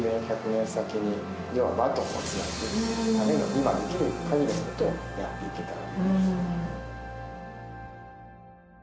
今できる限りのことをやっていけたら。